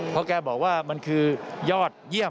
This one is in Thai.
เพราะแกบอกว่ามันคือยอดเยี่ยม